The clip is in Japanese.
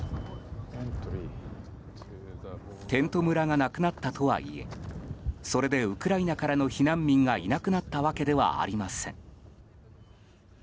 テント村がなくなったとはいえそれでウクライナからの避難民がいなくなったわけではありません。